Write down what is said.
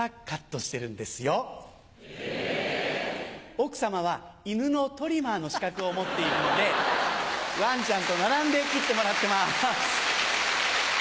奥さまは犬のトリマーの資格を持っているのでワンちゃんと並んで切ってもらってます。